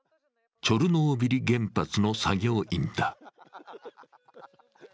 チョルノービリ原発の作業員だ。